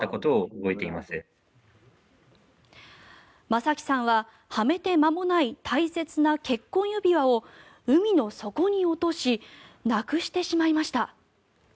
正樹さんははめて間もない大切な結婚指輪を海の底に落としなくしてしまいました。